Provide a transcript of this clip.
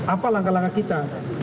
apa langkah langkah kita